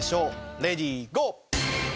レディーゴー！